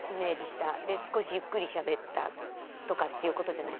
で少しゆっくりしゃべったとかっていうことじゃない。